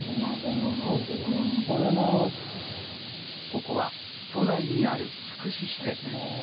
ここは都内にある福祉施設。